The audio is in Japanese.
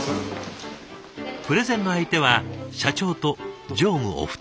プレゼンの相手は社長と常務お二人。